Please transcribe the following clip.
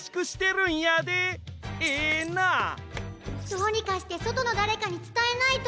どうにかしてそとのだれかにつたえないと！